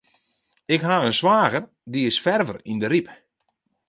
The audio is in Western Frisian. Ik ha in swager, dy is ferver yn de Ryp.